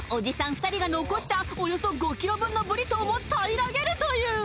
２人が残したおよそ５ｋｇ分のブリトーも平らげるという！